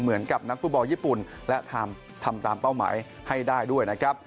เหมือนกับนักฟุตบอลญี่ปุ่นและทำตามเป้าหมายให้ได้ด้วยนะครับ